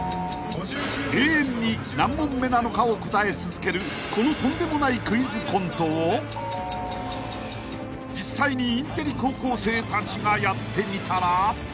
［永遠に何問目なのかを答え続けるこのとんでもないクイズコントを実際にインテリ高校生たちがやってみたら］